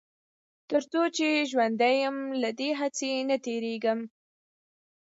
تر څو چې ژوندی يم له دې هڅې نه تېرېږم.